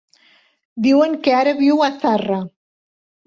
Diuen que ara viu a Zarra.